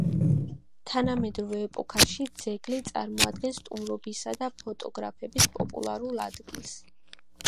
თანამედროვე ეპოქაში ძეგლი წარმოადგენს სტუმრობისა და ფოტოგრაფირების პოპულარულ ადგილს.